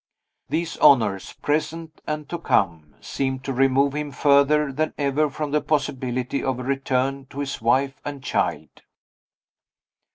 These honors, present and to come, seem to remove him further than ever from the possibility of a return to his wife and child.